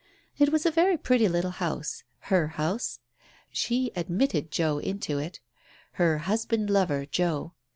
It was a very pretty little house — her house. She admitted Joe into it. Her husband lover, Joe.